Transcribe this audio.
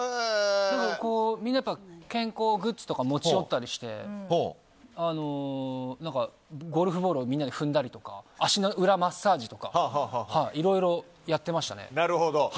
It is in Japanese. みんな健康グッズとか持ち寄ったりしてゴルフボールをみんなで踏んで足の裏マッサージとかいろいろやってましたね。